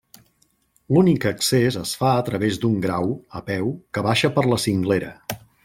L'únic accés es fa a través d'un grau, a peu, que baixa per la cinglera.